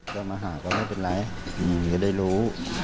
ก็มาหาก็ไม่เป็นไรอย่างนี้ก็ได้รู้